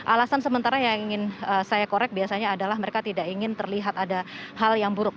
alasan sementara yang ingin saya korek biasanya adalah mereka tidak ingin terlihat ada hal yang buruk